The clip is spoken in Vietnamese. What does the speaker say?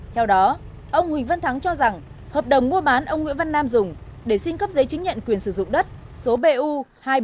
theo đó ông huỳnh văn thắng cho rằng hợp đồng mua bán ông nguyễn văn nam dùng để xin cấp giấy chứng nhận quyền sử dụng đất số bu hai trăm bốn mươi bốn nghìn năm trăm ba mươi là giả